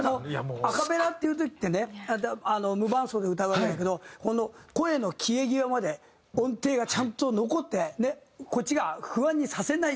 アカペラっていう時ってね無伴奏で歌うわけだけどこの声の消え際まで音程がちゃんと残ってこっち側を不安にさせない。